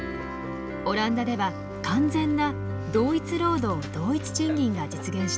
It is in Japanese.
オランダでは完全な同一労働同一賃金が実現しています。